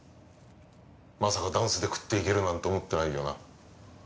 まさかダンスで食っていけるなんて思ってないよな？